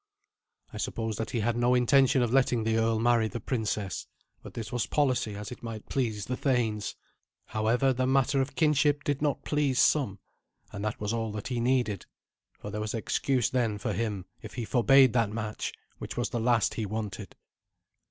I suppose that he had no intention of letting the earl marry the princess; but this was policy, as it might please the thanes. However, the matter of kinship did not please some, and that was all that he needed, for there was excuse then for him if he forbade that match, which was the last he wanted.